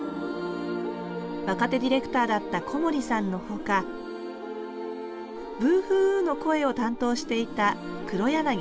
若手ディレクターだった小森さんのほか「ブーフーウー」の声を担当していた黒柳徹子さん。